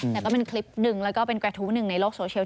แต่ก็เป็นคลิปหนึ่งแล้วก็เป็นกระทู้หนึ่งในโลกโซเชียล